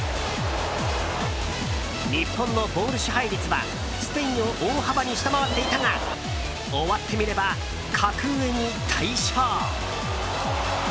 日本のボール支配率はスペインを大幅に下回っていたが終わってみれば格上に大勝。